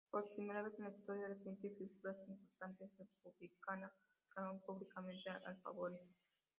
Por primera vez en la historia reciente, figuras importantes republicanas criticaron públicamente al favorito.